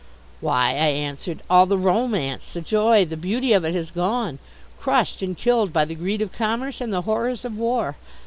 "Why," I answered, "all the romance, the joy, the beauty of it has gone, crushed and killed by the greed of commerce and the horrors of war.